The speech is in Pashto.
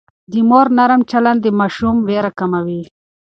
د مور نرم چلند د ماشوم وېره کموي.